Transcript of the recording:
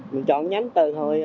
mình chọn nhánh từ hồi